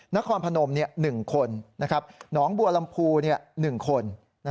นครพนม๑คนหนองบัวลำพู๑คน